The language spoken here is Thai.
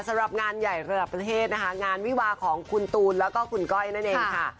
สำหรับงานใหญ่ระดับประเทศนะคะงานวิวาของคุณตูนแล้วก็คุณก้อยนั่นเองค่ะ